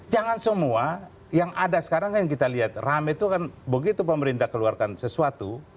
jangan semua yang ada sekarang yang kita lihat rame itu kan begitu pemerintah keluarkan sesuatu